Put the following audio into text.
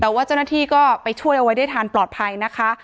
แต่ว่าเจ้าหน้าที่ก็ไปช่วยเอาไว้ได้ทันปลอดภัยนะคะ